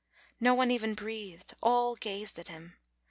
No one even breathed; all gazed at him.